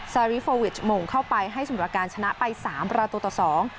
ซาริโฟวิชโมงเข้าไปให้สมประการชนะไปสามประตูต่อสอง